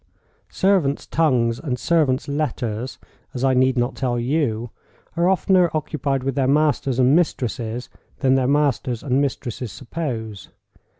Servants' tongues and servants' letters—as I need not tell you—are oftener occupied with their masters and mistresses than their masters and mistresses suppose.